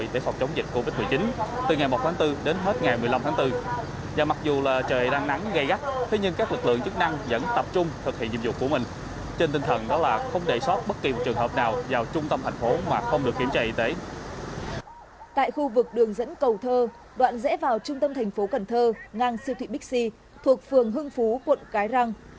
tại khu vực đường dẫn cầu thơ đoạn rẽ vào trung tâm thành phố cần thơ ngang siêu thị bixi thuộc phường hưng phú quận cái răng